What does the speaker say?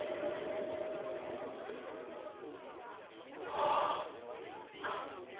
はぁ⁉何だ？